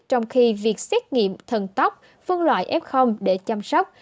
trong khi việc xét nghiệm thần tóc phân loại f để chăm sóc